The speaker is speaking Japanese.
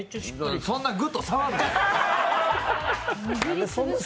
そんなグッと触んな！